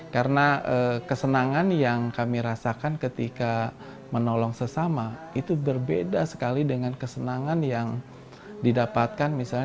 karena kesenangan yang kami rasakan ketika menolong sesama itu berbeda sekali dengan kesenangan yang didapatkan misalnya